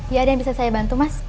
ya ada yang bisa saya bantu mas